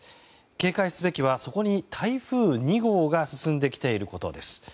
警戒すべきはそこに台風２号が進んできていることです。